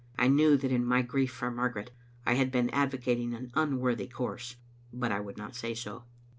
I knew that in my grief for Margaret I had been advocating an unworthy course, but I would not say so.